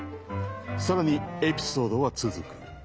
更にエピソードは続く。